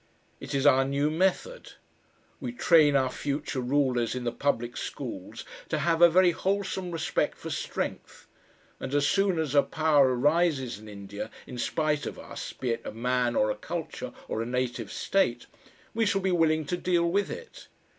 It is our new method. We train our future rulers in the public schools to have a very wholesome respect for strength, and as soon as a power arises in India in spite of us, be it a man or a culture, or a native state, we shall be willing to deal with it.